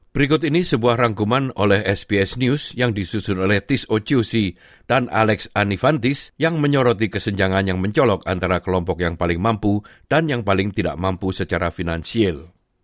berikut ini sebuah rangkuman oleh sbs news yang disusun oleh tis ocuc dan alex anifantis yang menyoroti kesenjangan yang mencolok antara kelompok yang paling mampu dan yang paling tidak mampu secara finansial